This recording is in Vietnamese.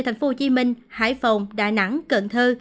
thành phố hồ chí minh hải phòng đà nẵng cần thơ